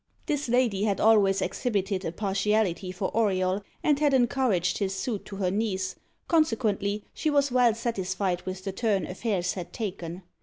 This lady had always exhibited a partiality for Auriol, and had encouraged his suit to her niece; consequently she was well satisfied with the turn affairs had taken.